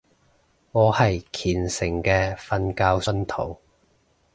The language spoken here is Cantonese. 我係虔誠嘅瞓覺信徒